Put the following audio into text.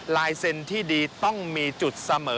ลายเซ็นต์ที่ดีต้องมีจุดเสมอ